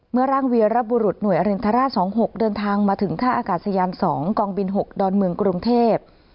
ร่างเวียระบุรุษหน่วยอรินทราช๒๖เดินทางมาถึงท่าอากาศยาน๒กองบิน๖ดอนเมืองกรุงเทพ